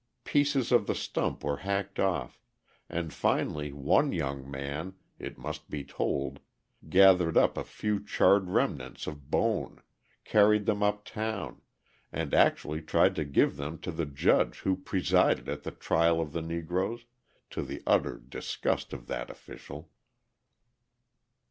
Pieces of the stump were hacked off, and finally one young man it must be told gathered up a few charred remnants of bone, carried them uptown, and actually tried to give them to the judge who presided at the trial of the Negroes, to the utter disgust of that official.